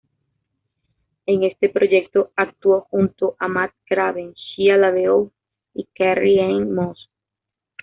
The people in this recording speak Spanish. En este proyecto actuó junto a Matt Craven, Shia LaBeouf y Carrie-Anne Moss.